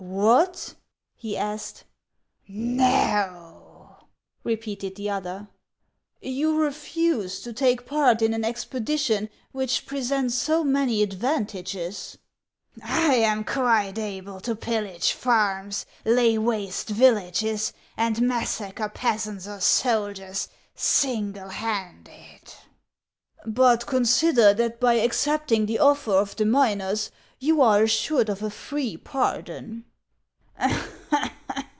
" What ?" he asked. " No !" repeated the other. "You refuse to take part in an expedition which presents so many advantages ?"" I am quite able to pillage farms, lay waste villages, and massacre peasants or soldiers, single handed." " But consider that by accepting the offer of the miners you are assured of a free pardon."